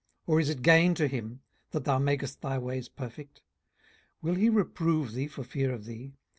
or is it gain to him, that thou makest thy ways perfect? 18:022:004 Will he reprove thee for fear of thee?